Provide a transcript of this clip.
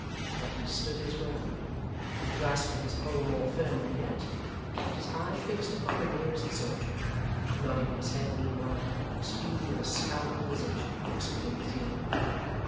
But he stood his ground, and grasping his pole more firmly yet, kept his eye fixed upon the nearest soldier nodding his head meanwhile, as Hugh, with a scowling visage, whispered in his ear.